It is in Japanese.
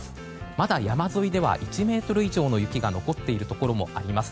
まだ山沿いでは１ｍ以上の雪が残っているところもあります。